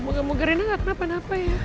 moga moga rena gak kena penapa ya